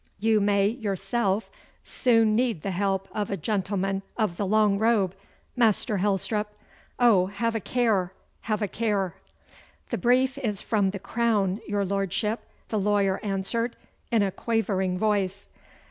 You may yourself soon need the help of a gentleman of the long robe, Master Helstrop. Oh, have a care! Have a care!' 'The brief is from the Crown, your Lordship,' the lawyer answered, in a quavering voice.